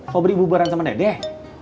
sobri bubaran sama dedeh